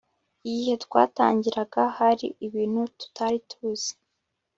Igihe twatangiraga hari ibintu tutari tuzi